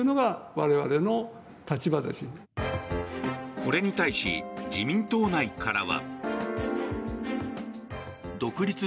これに対し自民党内からは。